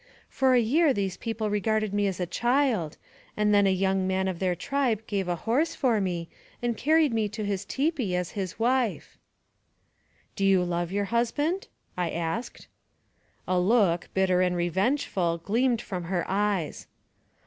For a year these people regarded me as a child, and then a young man of their tribe gave a horse for me, and carried me to his tipi as his wife." " Do you love your husband ?" I asked. A look, bitter and revengeful, gleamed from her eyes.